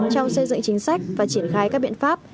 trong xây dựng chính sách và triển khai các biện pháp